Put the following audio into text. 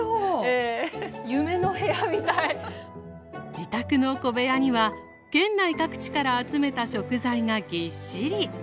自宅の小部屋には県内各地から集めた食材がぎっしり。